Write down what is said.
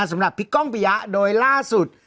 สำหรับพี่ก้องปิยะโดยล่าสุด